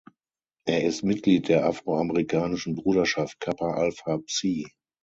Er ist Mitglied der afroamerikanischen Bruderschaft Kappa Alpha Psi.